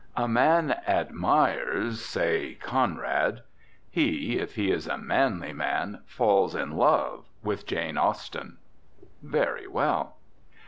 A man admires, say, Conrad. He if he is a manly man falls in love with Jane Austen. Very well.